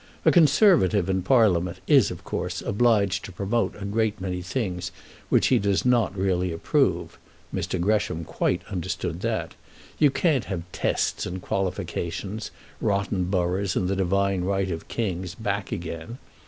A Conservative in Parliament is, of course, obliged to promote a great many things which he does not really approve. Mr. Gresham quite understood that. You can't have tests and qualifications, rotten boroughs and the divine right of kings, back again.